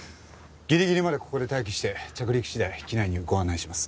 ギリギリまでここで待機して着陸次第機内にご案内します。